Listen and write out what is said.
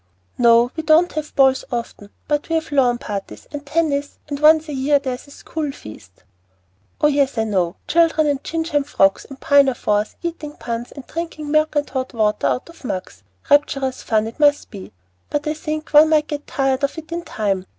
"No, we don't have balls often, but we have lawn parties, and tennis, and once a year there's a school feast." "Oh, yes, I know, children in gingham frocks and pinafores, eating buns and drinking milk and hot water out of mugs. Rapturous fun it must be, but I think one might get tired of it in time.